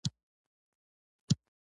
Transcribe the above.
ډګروال هېڅ ځواب ورنکړ او له هغه ځایه لاړ